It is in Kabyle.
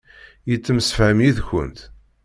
Yettemsefham yid-kent.